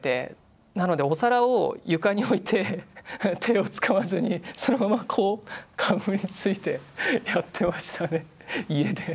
なのでお皿を床に置いて手を使わずにそのままこうかぶりついてやってましたね家で。